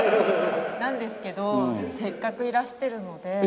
なんですけどせっかくいらしてるので。